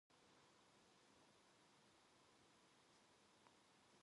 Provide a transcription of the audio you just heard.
굿모닝!